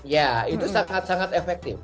ya itu sangat sangat efektif